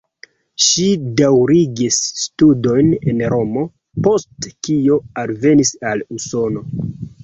Ŝi daŭrigis studojn en Romo, post kio alvenis al Usono.